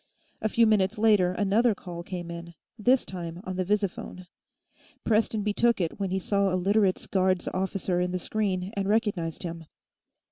A few minutes later, another call came in, this time on the visiphone. Prestonby took it when he saw a Literates' Guards officer in the screen and recognized him.